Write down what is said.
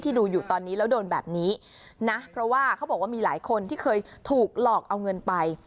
ดูอยู่ตอนนี้แล้วโดนแบบนี้นะเพราะว่าเขาบอกว่ามีหลายคนที่เคยถูกหลอกเอาเงินไป